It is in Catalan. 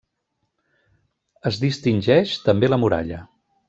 Es distingeix també la muralla.